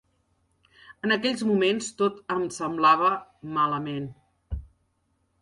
En aquells moments tot em semblava malament.